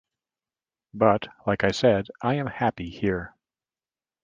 But like I said, I am happy here.